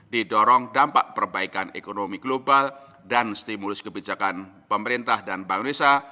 didorong dampak perbaikan ekonomi global dan stimulus kebijakan pemerintah dan bank indonesia